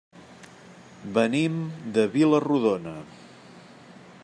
Venim de Vila-rodona.